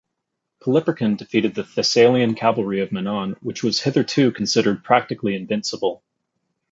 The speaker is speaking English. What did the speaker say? Polyperchon defeated the Thessalian cavalry of Menon, which was hitherto considered practically invincible.